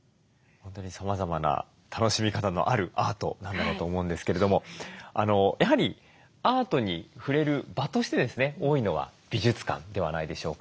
本当にさまざまな楽しみ方のあるアートなんだろうと思うんですけれどもやはりアートに触れる場としてですね多いのは美術館ではないでしょうか。